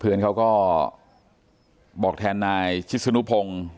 เพื่อนเขาก็บอกแทนนายชิทธิ์สุนุพงร์